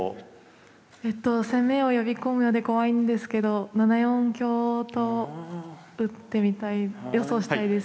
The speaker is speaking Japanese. えっと攻めを呼び込むようで怖いんですけど７四香と打ってみたい予想したいです。